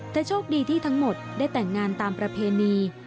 แต่โชคดีที่ทั้งหมดได้แต่งงานตามประเพณี